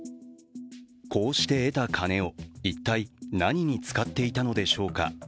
こうして得た金を一体何に使っていたのでしょうか。